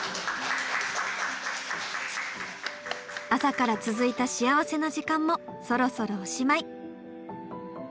朝から続いた幸せな時間もそろそろおしまい。